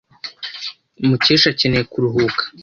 Mukesha akeneye kuruhuka.